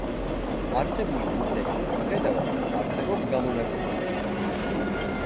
არსებული ბუკლეტის მიუხედავად არსებობს გამონაკლისებიც.